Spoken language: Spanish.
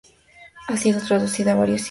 Ha sido traducida a varios idiomas.